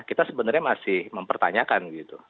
kita sebenarnya masih mempertanyakan